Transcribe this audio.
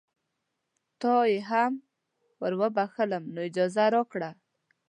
تا یې هم وروبخښلم نو اجازه راکړه.